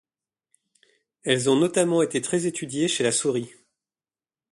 Elles ont notamment été très étudiées chez la souris.